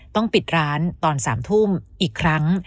ต้องปิดร้านตอน๓ทุ่มอีกครั้ง